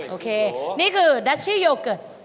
โอเคนี่คือดัชชี่โยเกิร์ต